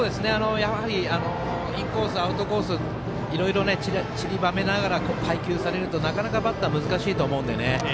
やはりインコースアウトコースいろいろちりばめながら配球されると、なかなかバッター難しいと思うので。